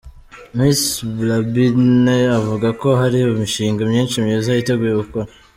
Miss Balbine avuga ko hari imishinga myinshi myiza yiteguye gukora.